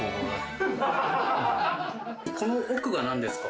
この奥が何ですか？